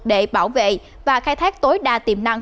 để bảo vệ và khai thác tối đa tiềm năng